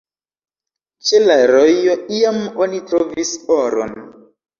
Ĉe la rojo iam oni trovis oron.